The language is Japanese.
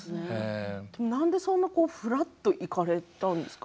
なんでそんなふらっと行かれたんですか？